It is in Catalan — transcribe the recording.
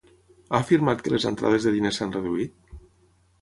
Ha afirmat que les entrades de diners s'han reduït?